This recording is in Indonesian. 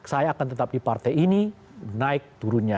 saya akan tetap di partai ini naik turunnya